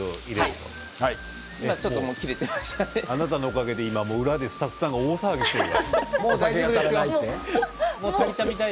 あなたのおかげで今裏でスタッフさんが大騒ぎしている。